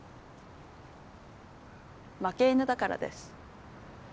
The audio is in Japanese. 負け犬だからです。